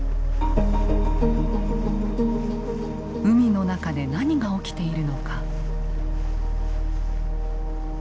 海の中で何が起きているのか。